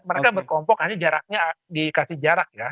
mereka berkelompok hanya jaraknya dikasih jarak ya